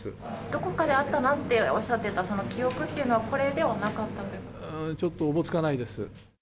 どこかで会ったなっておっしゃってたその記憶っていうのは、ちょっとおぼつかないです。